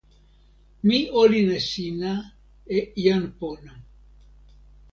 mi olin e sina e jan pona